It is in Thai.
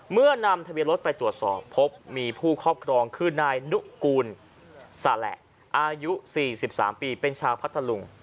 นำทะเบียนรถไปตรวจสอบพบมีผู้ครอบครองคือนายนุกูลสาแหละอายุ๔๓ปีเป็นชาวพัทธลุง